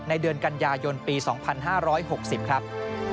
เดือนกันยายนปี๒๕๖๐ครับ